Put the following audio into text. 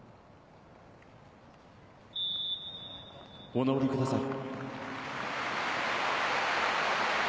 お直りください。